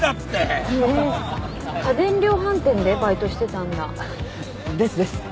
家電量販店でバイトしてたんだ。ですです。